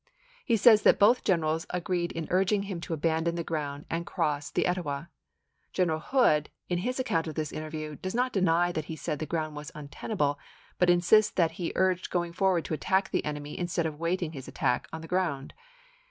He says that both generals agreed in urging him to abandon the ground and cross the Etowah. General Hood, in his account of this interview, does not deny that he said the ground was untenable, but insists that he urged going forward to attack the enemy instead of waiting his attack upon that ground.